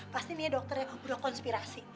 pasti nih ya dokternya udah konspirasi